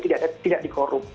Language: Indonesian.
jadi tidak dikorup